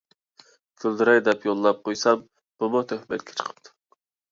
كۈلدۈرەي دەپ يوللاپ قويسام بۇمۇ تۆھمەتكە چىقىپتۇ.